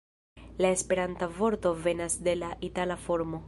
La Esperanta vorto venas de la itala formo.